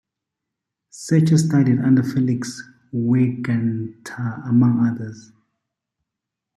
Sacher studied under Felix Weingartner, among others.